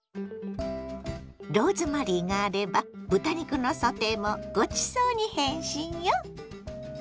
ローズマリーがあれば豚肉のソテーもごちそうに変身よ。